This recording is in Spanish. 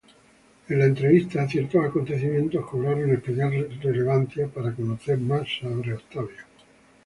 Por la entrevista, ciertos acontecimientos cobraron especial relevancia para conocer más sobre Octavio.